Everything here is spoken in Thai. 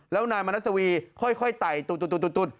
แล้วนายมนสวีค่อยไต่ตุ๊ดตุ๊ดตุ๊ด